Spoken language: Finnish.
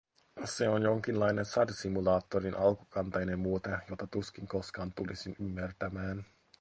Se on jonkinlainen sadesimulaattorin alkukantainen muoto, jota tuskin koskaan tulisin ymmärtämään.